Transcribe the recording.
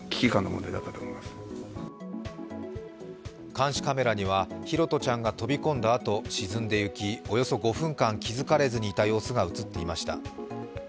監視カメラには拓杜ちゃんが飛び込んだあと、沈んでいきおよそ５分間気づかれずにいた様子が映っていました。